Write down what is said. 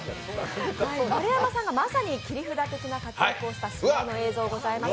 丸山さんがまさに切り札的な活躍をしたときの映像があります。